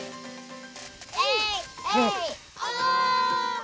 えいえいおー！